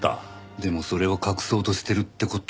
でもそれを隠そうとしてるって事は。